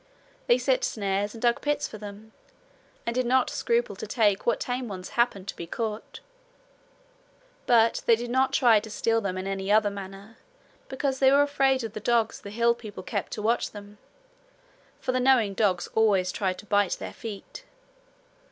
They set snares and dug pits for them; and did not scruple to take what tame ones happened to be caught; but they did not try to steal them in any other manner, because they were afraid of the dogs the hill people kept to watch them, for the knowing dogs always tried to bite their feet.